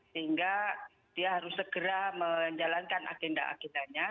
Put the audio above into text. sehingga dia harus segera menjalankan agenda agendanya